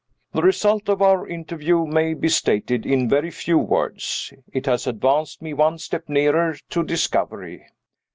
The result of our interview may be stated in very few words. It has advanced me one step nearer to discovery.